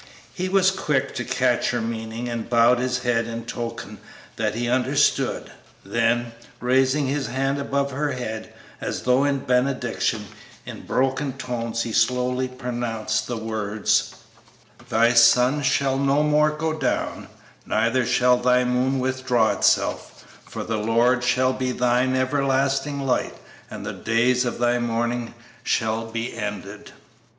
He was quick to catch her meaning and bowed his head in token that he understood; then, raising his hand above her head, as though in benediction, in broken tones he slowly pronounced the words, "'Thy sun shall no more go down; neither shall thy moon withdraw itself: for the Lord shall be thine everlasting light, and the days of thy mourning shall be ended.'"